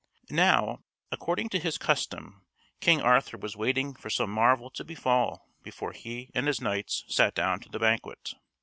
Now, according to his custom, King Arthur was waiting for some marvel to befall before he and his knights sat down to the banquet.